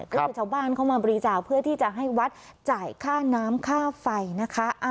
ก็คือชาวบ้านเข้ามาบริจาคเพื่อที่จะให้วัดจ่ายค่าน้ำค่าไฟนะคะ